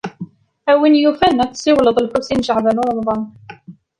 A win yufan, ad tessiwled ed Lḥusin n Caɛban u Ṛemḍan.